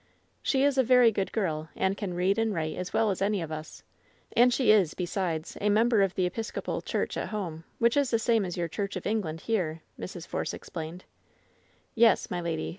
"She is a very good girl, and can read and write as well as any of us ; and she is, besides, a member of the Episcopal church at home, which is the same as your Church of England here,'' Mrs. Force explained. "Yes, my lady.